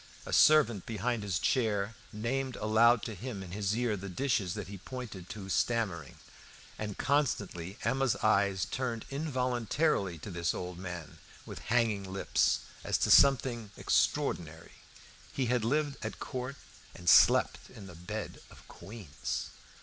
A servant behind his chair named aloud to him in his ear the dishes that he pointed to stammering, and constantly Emma's eyes turned involuntarily to this old man with hanging lips, as to something extraordinary. He had lived at court and slept in the bed of queens!